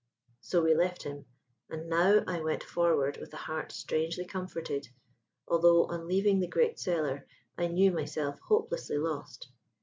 So we left him, and now I went forward with a heart strangely comforted, although on leaving the great cellar I knew myself hopelessly lost.